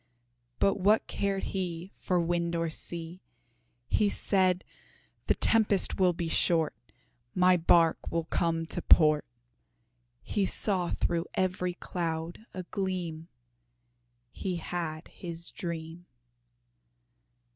But what cared he For wind or sea! He said, "The tempest will be short, My bark will come to port." He saw through every cloud a gleam He had his dream.